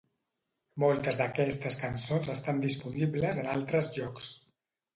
Moltes d'aquestes cançons estan disponibles en altres llocs.